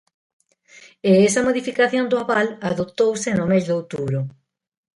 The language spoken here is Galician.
E esa modificación do aval adoptouse no mes de outubro.